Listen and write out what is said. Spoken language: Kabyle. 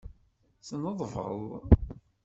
Tneḍbeḍ.